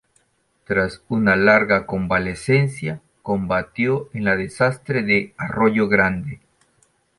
Tras una larga convalecencia, combatió en la desastre de Arroyo Grande.